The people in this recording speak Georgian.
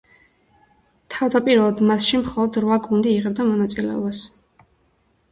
თავდაპირველად მასში მხოლოდ რვა გუნდი იღებდა მონაწილეობას.